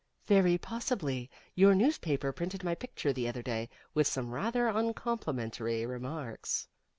"Very possibly. Your newspaper printed my picture the other day, with some rather uncomplimentary remarks."